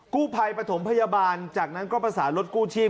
กู้ภัยปฐมพยาบาลจากนั้นก็ประสานรถกู้ชีพ